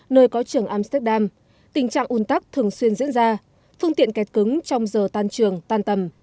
nơi có trường amsterdam tình trạng un tắc thường xuyên diễn ra phương tiện kẹt cứng trong giờ tan trường tan tầm